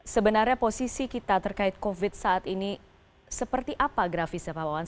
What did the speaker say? sebenarnya posisi kita terkait covid saat ini seperti apa grafisnya pak wawan